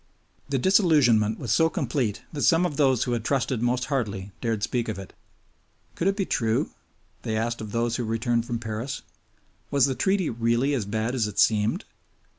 The disillusion was so complete, that some of those who had trusted most hardly dared speak of it. Could it be true? they asked of those who returned from Paris. Was the Treaty really as bad as it seemed?